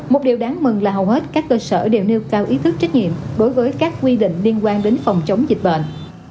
một điều đáng mừng là hầu hết các cơ sở đều nêu cao ý thức trách nhiệm đối với các quy định liên quan đến phòng chống dịch bệnh